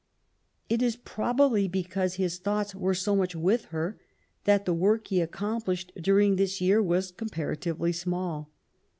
It is probably because hia thoughts were so much with her, that the work he ac complished during this year was comparatively small.